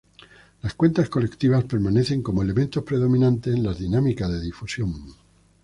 Las cuentas colectivas permanecen como elementos predominantes en las dinámicas de difusión.